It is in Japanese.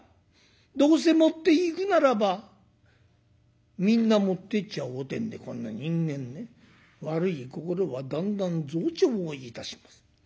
どうせ持っていくならばみんな持ってっちゃおう」てんでこんな人間ね悪い心はだんだん増長いたします。